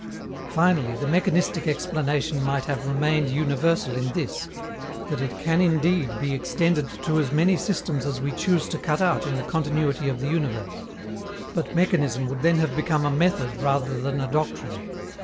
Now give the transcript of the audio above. Finally, the mechanistic explanation might have remained universal in this, that it can indeed be extended to as many systems as we choose to cut out in the continuity of the universe; but mechanism would then have become a method rather than a doctrine.